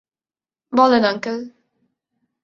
বলেন, আঙ্কেল।